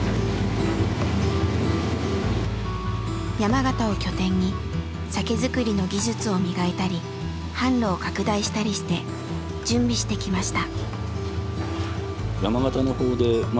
山形を拠点に酒造りの技術を磨いたり販路を拡大したりして準備してきました。